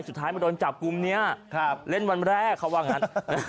สุดท้ายมาโดนจับกลุ่มนี้เล่นวันแรกเขาว่างั้น